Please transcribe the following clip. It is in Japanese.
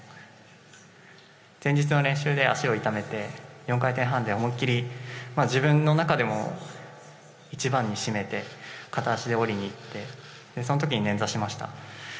前日の練習で足を痛めて４回転半で思いっきり自分の中でも一番に締めて片足で降りにいってその時に捻挫しました。